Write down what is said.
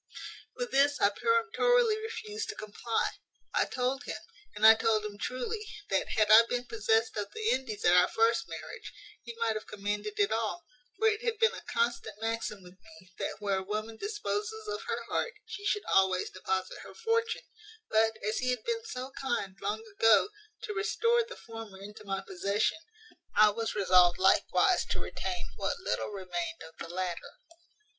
"With this I peremptorily refused to comply. I told him, and I told him truly, that, had I been possessed of the Indies at our first marriage, he might have commanded it all; for it had been a constant maxim with me, that where a woman disposes of her heart, she should always deposit her fortune; but, as he had been so kind, long ago, to restore the former into my possession, I was resolved likewise to retain what little remained of the latter.